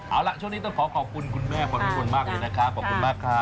เอาล่ะช่วงนี้ต้องขอขอบคุณคุณแม่พลวิมลมากเลยนะครับขอบคุณมากครับ